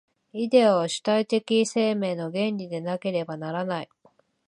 イデヤは主体的生命の原理でなければならない。